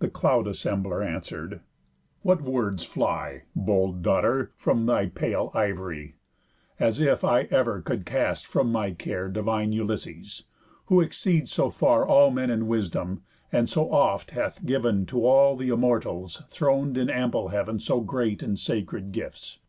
The Cloud assembler answer'd: "What words fly, Bold daughter, from thy pale of ivory? As if I ever could cast from my care Divine Ulysses, who exceeds so far All men in wisdom, and so oft hath giv'n To all th' Immortals thron'd in ample heav'n So great and sacred gifts?